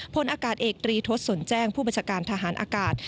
พลอากาศเอกตรีทศสนแจ้งผู้บัญชาการทหารอากาศ